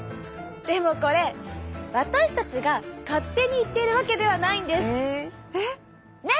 でもこれ私たちが勝手に言っているわけではないんです。ね？